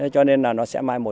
cho nên nó sẽ mai một đi